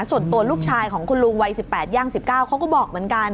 ส่วนตัวลูกชายของคุณลุงวัย๑๘ย่าง๑๙เขาก็บอกเหมือนกัน